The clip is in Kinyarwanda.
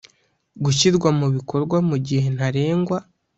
Gushyirwa mu bikorwa mu gihe ntarengwa